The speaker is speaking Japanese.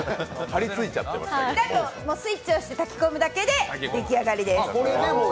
あとはスイッチ押して炊き込むだけで、出来上がりです。